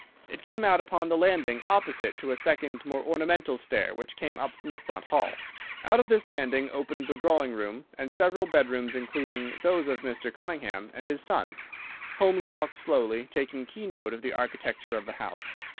It came out upon the landing opposite to a second more ornamental stair which came up from the front hall. Out of this landing opened the drawing room and several bedrooms, including those of Mr. Cunningham and his son. Holmes walked slowly, taking keen note of the architecture of the house.